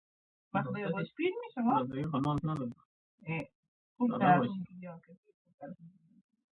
ازادي راډیو د د ماشومانو حقونه لپاره د مرستو پروګرامونه معرفي کړي.